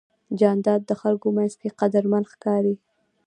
جانداد د خلکو منځ کې قدرمن ښکاري.